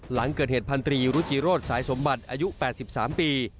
หลังเกิดเหตุพันธรีรุจิโรธสายสมบัติอายุ๘๓ปี